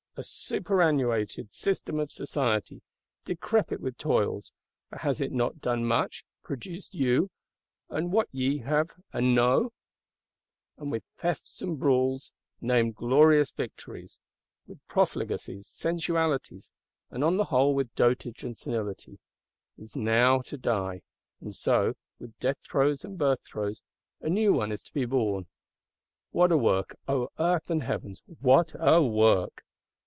A superannuated System of Society, decrepit with toils (for has it not done much; produced you, and what ye have and know!)—and with thefts and brawls, named glorious victories; and with profligacies, sensualities, and on the whole with dotage and senility,—is now to die: and so, with death throes and birth throes, a new one is to be born. What a work, O Earth and Heavens, what a work!